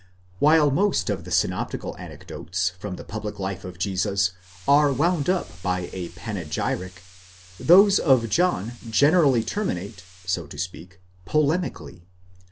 While most of the synoptical anecdotes from the public life of Jesus are wound up by a panegyric, those of John generally terminate, so to speak, polemically.